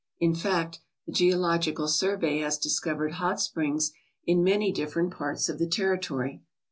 In fact, the Geological Survey has discovered hot springs in many different parts of the territory.